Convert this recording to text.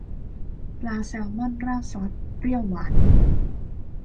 ปลาแซลมอนราดซอสเปรี้ยวหวาน